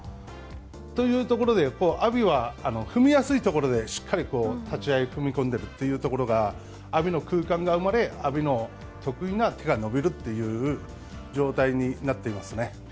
というところで、阿炎は踏みやすいところでしっかり立ち合い、踏み込んでるというところが阿炎の空間が生まれ、阿炎の得意な手が伸びるという状態になっていますね。